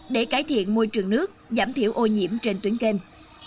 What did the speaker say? để cải thiện môi trường nước giảm thiểu ô nhiễm trên tuyến kênh